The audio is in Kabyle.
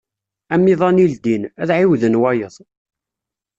Amiḍan i ldin, ad ɛiwden wayeḍ.